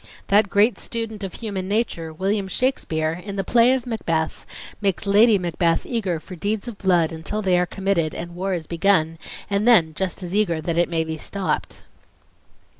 That great student of human nature, William Shakespeare, in the play of Macbeth, makes Lady Macbeth eager for deeds of blood until they are committed and war is begun and then just as eager that it may be stopped."